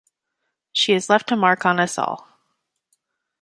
She has left a mark on us all.